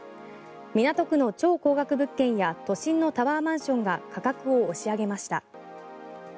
港区の超高額物件や都心のタワーマンションが価格を押し上げました。